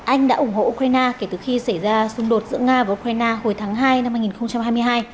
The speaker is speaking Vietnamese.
anh đã ủng hộ ukraine kể từ khi xảy ra xung đột giữa nga và ukraine hồi tháng hai năm hai nghìn hai mươi hai